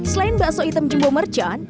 selain bakso hitam jumbo merchant